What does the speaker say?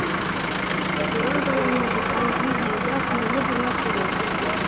Шура, вӗреннӗ чухнехи юлташ, мӗнле пурӑнать-ши вӑл?